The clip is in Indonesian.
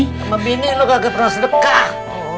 sama bini lu kayak gak pernah sedekah